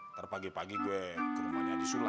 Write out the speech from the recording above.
nanti pagi pagi gue ke rumahnya haji sulam